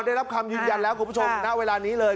ได้รับคำยืนยันแล้วคุณผู้ชมณเวลานี้เลย